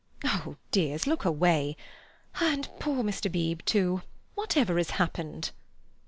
Oh, dears, look away! And poor Mr. Beebe, too! Whatever has happened?"